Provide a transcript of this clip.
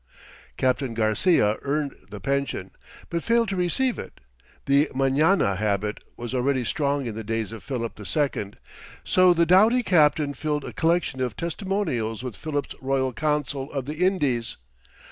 Captain Garcia earned the pension, but failed to receive it; the "mañana habit" was already strong in the days of Philip II. So the doughty captain filed a collection of testimonials with Philip's Royal Council of the Indies.